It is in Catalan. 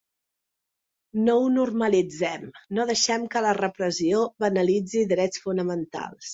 No ho normalitzem, no deixem que la repressió banalitzi drets fonamentals.